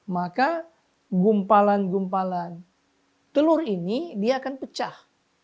maka gumpalan gumpalan telur ini dia akan pecah